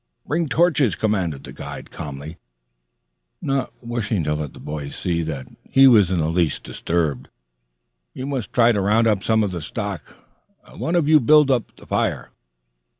"Bring torches!" commanded the guide calmly, not wishing to let the boys see that he was in the least disturbed. "We must try to round up some of the stock. One of you build up the fire."